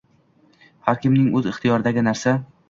— har kimning o‘z ixtiyoridagi narsa.